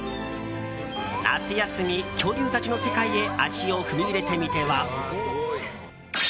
夏休み、恐竜たちの世界へ足を踏み入れてみては？